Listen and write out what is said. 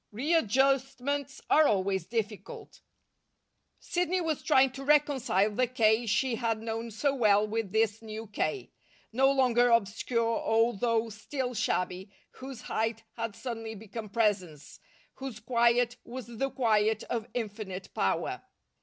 Readjustments are always difficult. Sidney was trying to reconcile the K. she had known so well with this new K., no longer obscure, although still shabby, whose height had suddenly become presence, whose quiet was the quiet of infinite power.